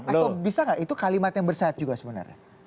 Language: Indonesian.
atau bisa nggak itu kalimat yang bersahab juga sebenarnya